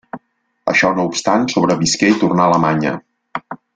Això no obstant, sobrevisqué i tornà a Alemanya.